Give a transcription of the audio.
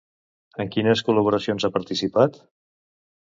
En quines col·laboracions ha participat?